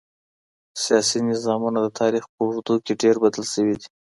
سياسي نظامونه د تاريخ په اوږدو کي ډېر بدل سوي دي.